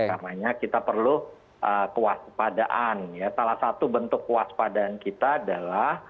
karena kita perlu kewaspadaan ya salah satu bentuk kewaspadaan kita adalah